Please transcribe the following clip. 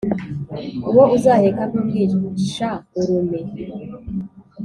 uwo uzaheka ntumwisha urume!